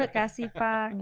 terima kasih pak